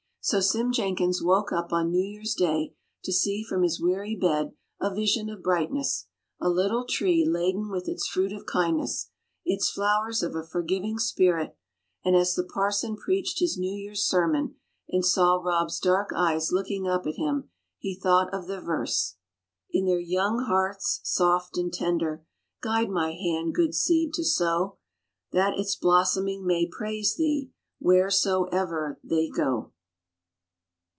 So Sim Jenkins woke up on New Year's Day to see from his weary bed a vision of brightness a little tree laden with its fruit of kindness, its flowers of a forgiving spirit; and as the parson preached his New Year's sermon, and saw Rob's dark eyes looking up at him, he thought of the verse, "In their young hearts, soft and tender, Guide my hand good seed to sow, That its blossoming may praise Thee Wheresoe'er they go."